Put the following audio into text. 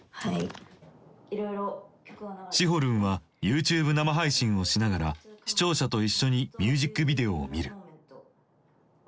シホるんはＹｏｕＴｕｂｅ生配信をしながら視聴者と一緒にミュージックビデオを見る。